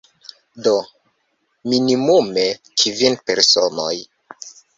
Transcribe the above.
Do, minimume kvin personoj.